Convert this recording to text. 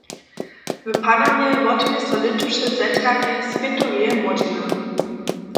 W Panamje wotmě so lětuše zetkanje swětoweje młodźiny.